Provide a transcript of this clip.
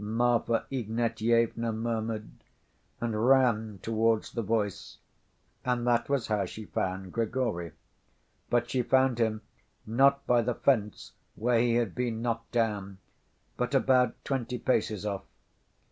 Marfa Ignatyevna murmured, and ran towards the voice, and that was how she found Grigory. But she found him not by the fence where he had been knocked down, but about twenty paces off.